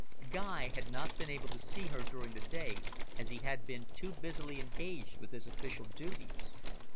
Guy had not been able to see her during the day, as he had been too busily engaged with his official duties.